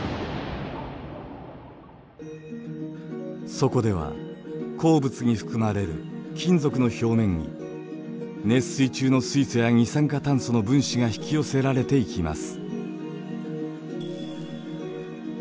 そこでは鉱物に含まれる金属の表面に熱水中の水素や二酸化炭素の分子が引き寄せられていきます。